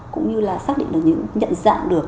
cũng như là xác định được những nhận dạng được